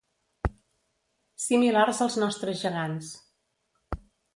Similars als nostres gegants.